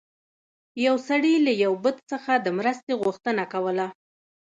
یو سړي له یو بت څخه د مرستې غوښتنه کوله.